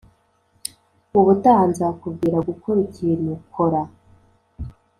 ubutaha nzakubwira gukora ikintu, kora.